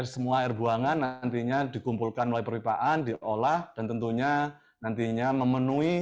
semua air buangan nantinya dikumpulkan melalui perwipaan diolah dan tentunya nantinya memenuhi